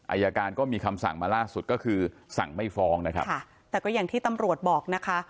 อายการก็มีคำสั่งมาล่าสุดก็คือสั่งไม่ฟ้องนะครับค่ะแต่ก็อย่างที่ตำรวจบอกนะคะ